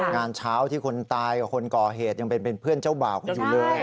งานเช้าที่คนตายกับคนก่อเหตุยังเป็นเพื่อนเจ้าบ่าวกันอยู่เลย